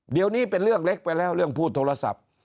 เดี๋ยวนี้เป็นเรื่องเล็กไปแล้วเรื่องพูดโทรศัพท์